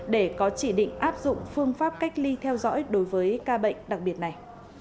để có chỉ định áp dụng phương pháp cách ly theo dõi đối với ca bệnh đặc biệt này